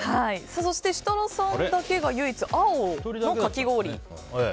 そして、設楽さんだけが唯一、青のかき氷。